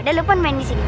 dan lukman main di sini